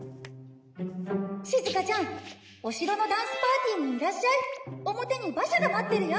「しずかちゃんお城のダンスパーティーにいらっしゃい」「表に馬車が待ってるよ！」